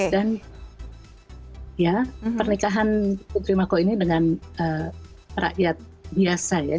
dan pernikahan putri mako ini dengan rakyat biasa ya